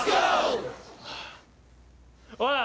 おい！